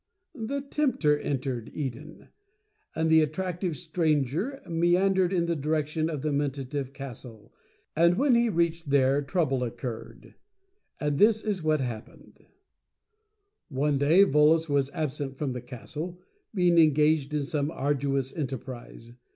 the Tempter entered Eden — and the At tractive Stranger meandered in the direction of the Mentative Castle, and when he reached there trouble occurred. And this is what happened: j6 Mental Fascination THE UNGUARDED CASTLE. One day Volos was absent from the Castle, being engaged in some arduous enterprise.